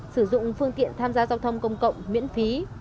sử dụng phương tiện tham gia giao thông công cộng miễn phí